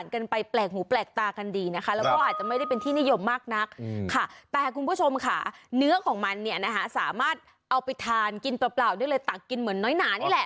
คุณผู้ชมค่ะเนื้อของมันสามารถเอาไปทานกินเปล่าได้เลยต่างกินเหมือนน้อยหนานี่แหละ